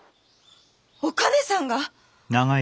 お兼さんが！？